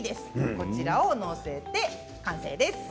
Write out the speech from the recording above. こちらを載せて完成です。